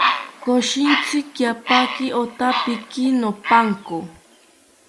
Koshintzi kiapaki otapiki nopanko